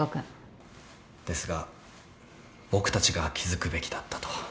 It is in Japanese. ですが僕たちが気付くべきだったと。